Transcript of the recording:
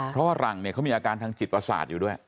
เพราะว่าหลังเนี่ยเขามีอาการทางจิตประสาทอยู่ด้วย